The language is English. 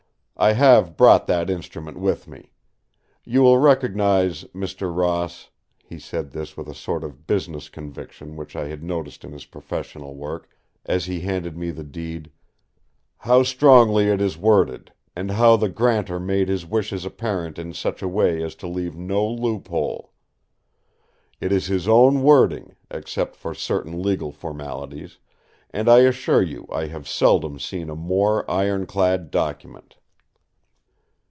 I have brought that instrument with me. You will recognise, Mr. Ross"—he said this with a sort of business conviction which I had noticed in his professional work, as he handed me the deed—"how strongly it is worded, and how the grantor made his wishes apparent in such a way as to leave no loophole. It is his own wording, except for certain legal formalities; and I assure you I have seldom seen a more iron clad document.